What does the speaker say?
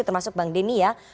termasuk bang deni ya